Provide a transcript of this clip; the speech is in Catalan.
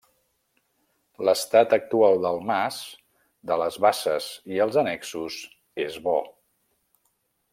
L’estat actual del mas, de les basses i els annexos, és bo.